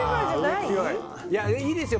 いいですよ